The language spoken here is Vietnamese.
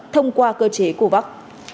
thông qua cơ chế của bắc